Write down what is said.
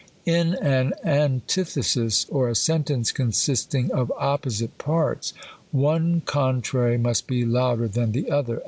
In an antithesis, or a sentenc e consisting of opposite parts, one contrary must be louder than the other.